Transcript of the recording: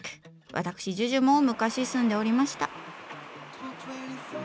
わたくしＪＵＪＵも昔住んでおりました。